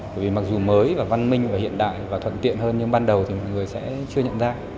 bởi vì mặc dù mới và văn minh và hiện đại và thuận tiện hơn nhưng ban đầu thì mọi người sẽ chưa nhận ra